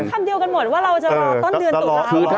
คำเดียวกันหมดว่าเราจะรอต้นเดือนตุลาคม